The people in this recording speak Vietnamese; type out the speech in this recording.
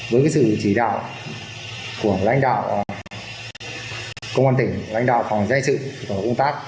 với sự chỉ đạo của lãnh đạo công an tỉnh lãnh đạo phòng giai sự và công tác